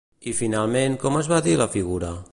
I finalment com es va dir la figura?